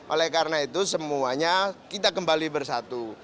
oleh karena itu semuanya kita kembali bersatu